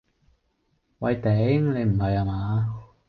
喂頂，你唔係呀嘛？